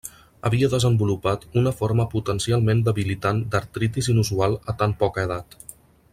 Havia desenvolupat una forma potencialment debilitant d'artritis inusual a tan poca edat.